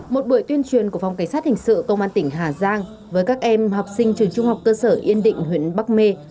một buổi tuyên truyền của phòng cảnh sát hình sự công an tỉnh hà giang với các em học sinh trường trung học cơ sở yên định huyện bắc mê